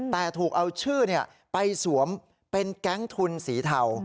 แต่ถูกเอาชื่อไปสวมเป็นแก๊งทุนสีเทา